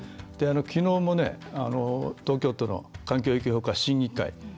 きのうも、東京都の環境影響評価審議会